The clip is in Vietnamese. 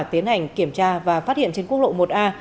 tiến hành kiểm tra và phát hiện trên quốc lộ một a